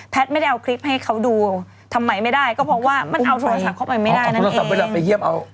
แพทย์ไม่ได้เอาคลิปให้เขาดูทำไมไม่ได้ก็เพราะว่ามันเอาโทรศัพท์เข้าไปไม่ได้นั่นเอง